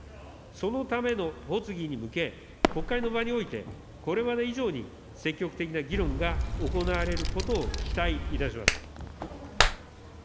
そのための発議に向け、国会の場において、これまで以上に積極的な議論が行われることを期待いたします。